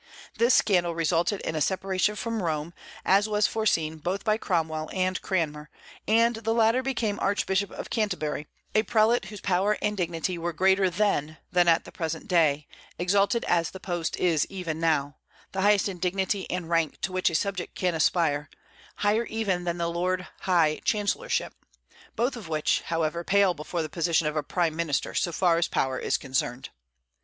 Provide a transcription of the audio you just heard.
This scandal resulted in a separation from Rome, as was foreseen both by Cromwell and Cranmer; and the latter became Archbishop of Canterbury, a prelate whose power and dignity were greater then than at the present day, exalted as the post is even now, the highest in dignity and rank to which a subject can aspire, higher even than the Lord High Chancellorship; both of which, however, pale before the position of a Prime Minister so far as power is concerned.